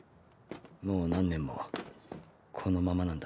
もう何年もこのままなんだ。